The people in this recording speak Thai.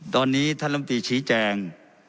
ตอนนี้ท่านรัฐมนตรีชี้แจง